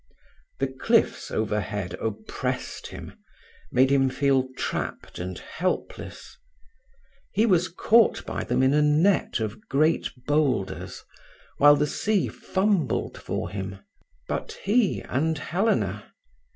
The cliffs overhead oppressed him—made him feel trapped and helpless. He was caught by them in a net of great boulders, while the sea fumbled for him. But he and Helena.